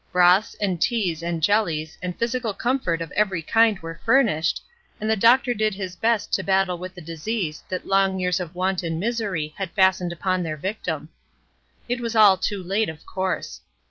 Broths and teas and jellies and physical comfort of every kind were furnished, and the doctor did his best to battle with the disease that long years of want and misery had fastened upon their victim. It was all too late, of course.